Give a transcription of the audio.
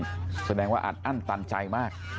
โหนี่แสดงว่าอันอันตันใจมาก